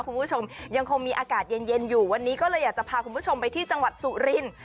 คุณผู้ชมยังคงมีอากาศเย็นเย็นอยู่วันนี้ก็เลยอยากจะพาคุณผู้ชมไปที่จังหวัดสุรินทร์